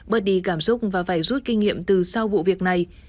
bớt đi cảm xúc và phải rút kinh nghiệm từ sau vụ việc này